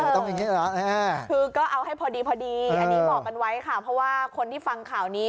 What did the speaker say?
เออคือก็เอาให้พอดีอันนี้เหมาะกันไว้ค่ะเพราะว่าคนที่ฟังข่าวนี้